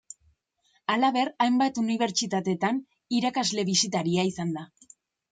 Halaber, hainbat unibertsitatetan irakasle bisitaria izan da.